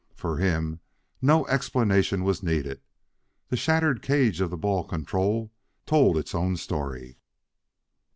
For him no explanation was needed; the shattered cage of the ball control told its own story.